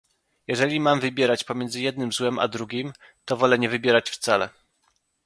"Jeżeli mam wybierać pomiędzy jednym złem a drugim, to wolę nie wybierać wcale"